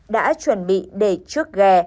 đã chuẩn bị để trước ghè